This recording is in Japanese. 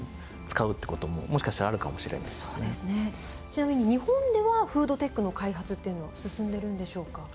ちなみに日本ではフードテックの開発というのは進んでるんでしょうか？